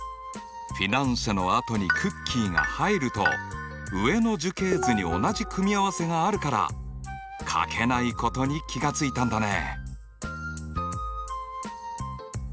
フィナンシェのあとにクッキーが入ると上の樹形図に同じ組み合わせがあるから書けないことに気が付いたんだね。